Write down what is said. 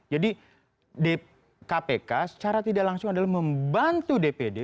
jadi kpk secara tidak langsung adalah membantu dpd